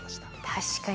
確かに。